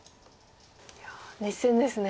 いや熱戦ですね。